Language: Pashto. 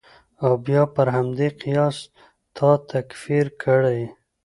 او بیا پر همدې قیاس تا تکفیر کړي.